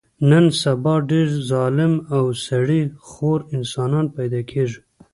نن سبا ډېر ظالم او سړي خور انسانان پیدا کېږي.